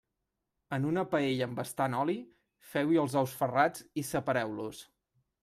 En una paella amb bastant oli, feu-hi els ous ferrats i separeu-los.